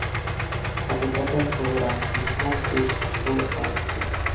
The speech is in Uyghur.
ھەقىقەتەن توغرا مېھمان بىز بۇ ئالەمگە!